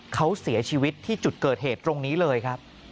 เขาเสียชีวิตที่จุดเกิดเหตุตรงนี้เลยครับ